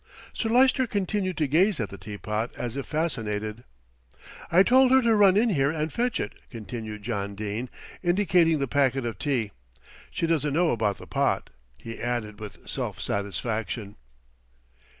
Sir Lyster continued to gaze at the teapot as if fascinated. "I told her to run in here and fetch it," continued John Dene, indicating the packet of tea. "She doesn't know about the pot," he added with self satisfaction.